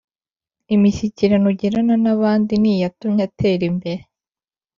Imishyikirano ugirana n’ abandi niyatumye atera imbere